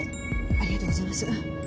ありがとうございます。